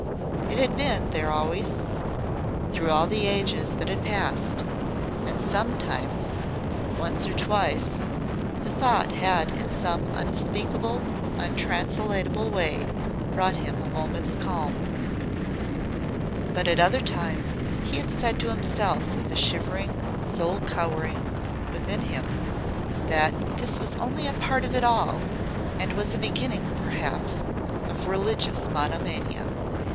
It had been there always through all the ages that had passed. And sometimes once or twice the thought had in some unspeakable, untranslatable way brought him a moment's calm. But at other times he had said to himself with a shivering soul cowering within him that this was only part of it all and was a beginning, perhaps, of religious monomania.